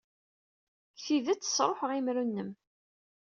Deg tidet, sṛuḥeɣ imru-nnem.